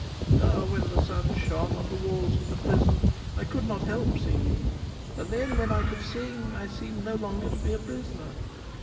Ah, when the sun shone on the walls of the prison I could not help singing; and then, when I could sing, I seemed no longer to be a prisoner.